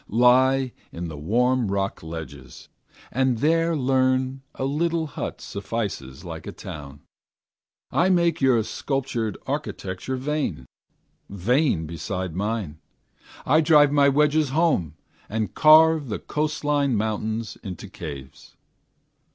Lie on the warm rock ledges, and there learn A little hut suffices like a town. I make your sculptured architecture vain, Vain beside mine. I drive my wedges home, And carve the coastwise mountain into caves.